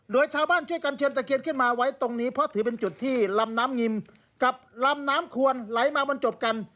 โดยชาวบ้านช่วยกันเชิญตะเคียนขึ้นมาไว้ตรงนี้เพราะถือเป็นจุดที่ลำน้ำงิมกับลำน้ำควรไหลมาบรรจบกัน